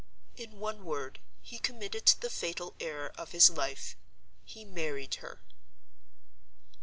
In one word, he committed the fatal error of his life: he married her.